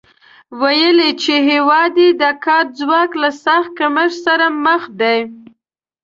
ویلي چې هېواد یې د کاري ځواک له سخت کمښت سره مخ دی